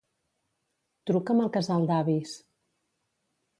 Truca'm al casal d'avis.